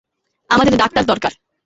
আমাদের ডাক্তার দরকার।